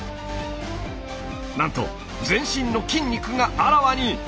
なんと全身の筋肉があらわに！